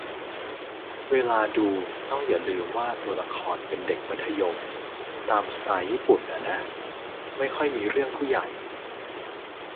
เวลาดูต้องอย่าลืมว่าตัวละครเป็นเด็กมัธยม ตามสไตล์ญี่ปุ่นอะนะ ไม่ค่อยมีเรื่องผู้ใหญ่